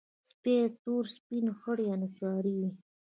سپي تور، سپین، خړ یا نسواري وي.